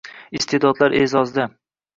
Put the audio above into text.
Iste’dodlar e’zozda